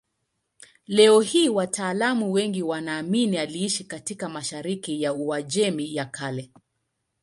Leo hii wataalamu wengi wanaamini aliishi katika mashariki ya Uajemi ya Kale.